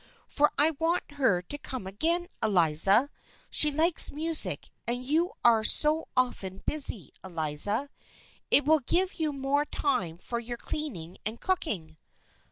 For I want her to come again, Eliza. She likes music, and you are so often busy, Eliza. It will give you more time for your cleaning and cooking."